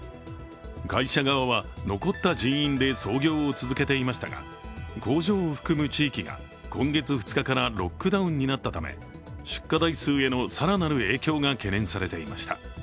会社側は残った人員で操業を続けていましたが工場を含む地域が今月２日からロックダウンになったため、出荷台数への更なる影響が懸念されていました。